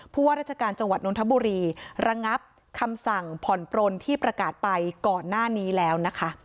ว่าราชการจังหวัดนทบุรีระงับคำสั่งผ่อนปลนที่ประกาศไปก่อนหน้านี้แล้วนะคะ